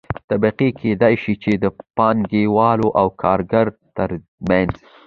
طبقې کيدى شي چې د پانګه وال او کارګر ترمنځ